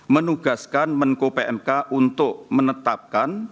menugaskan menko pmk untuk menetapkan